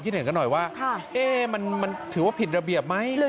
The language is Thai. ยิ่งแรงนะหน่อยว่ามันถือว่าผิดระเบียบไหมหรือ